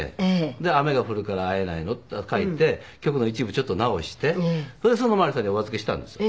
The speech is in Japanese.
で「雨が降るから逢えないの」って書いて曲の一部ちょっと直してそれで園まりさんにお預けしたんですよ。